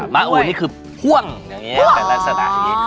้าอูนี่คือพ่วงอย่างนี้เป็นลักษณะอย่างนี้